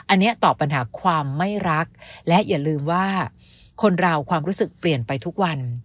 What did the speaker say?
อันนี้ตอบปัญหาความไม่รักและอย่าลืมว่าคนเราความรู้สึกเปลี่ยนไปทุกวัน